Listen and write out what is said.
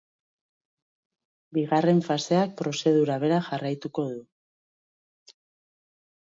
Bigarren faseak prozedura bera jarraituko du.